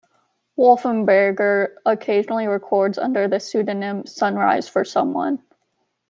Wolfenberger occasionally records under the pseudonym Sunrise for Someone.